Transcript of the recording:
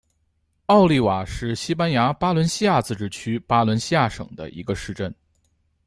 奥利瓦是西班牙巴伦西亚自治区巴伦西亚省的一个市镇。